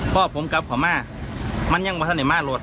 เพราะผมกับขวาม่ามันยังวัฒนในม่ารถ